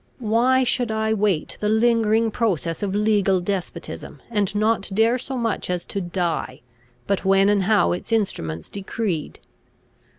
Why should I wait the lingering process of legal despotism, and not dare so much as to die, but when and how its instruments decreed?